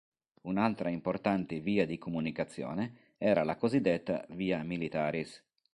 Un'altra importante via di comunicazione era la cosiddetta Via Militaris.